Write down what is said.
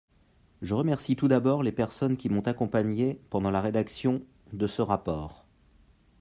Je remercie tout d’abord les personnes qui m’ont accompagnée pendant la rédaction de rapport.